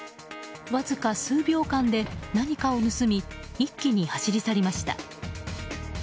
わずか数秒間で何かを盗み一気に走り去りました。